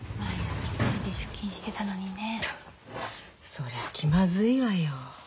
そりゃ気まずいわよ。